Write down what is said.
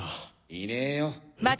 いねえよ。え？